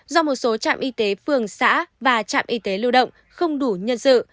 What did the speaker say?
do một số trạm y tế phường xã và trạm y tế lưu động không đủ nhân sự